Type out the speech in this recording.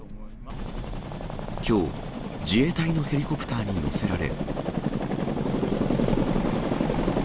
きょう、自衛隊のヘリコプターに乗せられ。